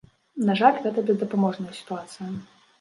На жаль, гэта бездапаможная сітуацыя.